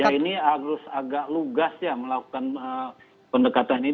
ya ini harus agak lugas ya melakukan pendekatan ini